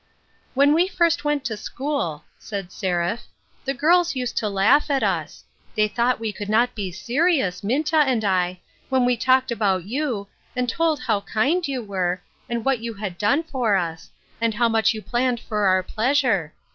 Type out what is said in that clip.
256 TRANSFORMATION. "When we first went to school," said Seraph, " the girls used to laugh at us ; they thought we could not be serious, Minta and I, when we talked about you, and told how kind you were, and what you had done for us, and how much you planned for our pleasure.